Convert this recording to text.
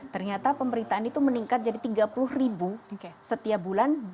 ternyata pemberitaan itu meningkat jadi tiga puluh ribu setiap bulan